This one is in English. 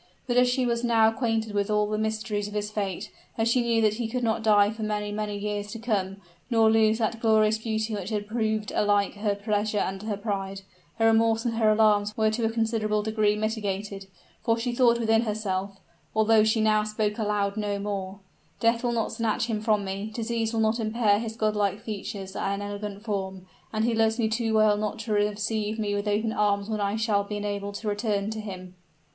But as she was now acquainted with all the mysteries of his fate, as she knew that he could not die for many, many years to come, nor lose that glorious beauty which had proved alike her pleasure and her pride, her remorse and her alarms were to a considerable degree mitigated: for she thought within herself, although she now spoke aloud no more; "Death will not snatch him from me, disease will not impair his godlike features and elegant form, and he loves me too well not to receive me with open arms when I shall be enabled to return to him."